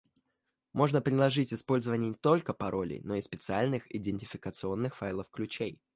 Можно предложить использование не только паролей, но и специальных идентификационных файлов-ключей